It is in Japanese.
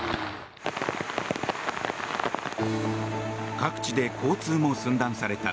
各地で交通も寸断された。